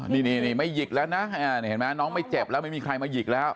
นี่ไม่หยิกแล้วนะเห็นไหมน้องไม่เจ็บแล้วไม่มีใครมาหยิกแล้ว